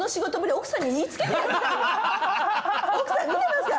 奥さん見てますか？